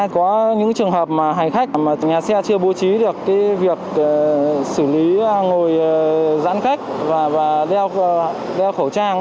có những trường hợp hành khách nhà xe chưa bố trí được việc xử lý ngồi giãn cách và đeo khẩu trang